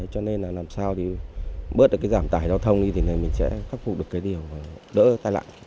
cho nên là làm sao để bớt được cái giảm tải giao thông thì mình sẽ khắc phục được cái điều đỡ tai nạn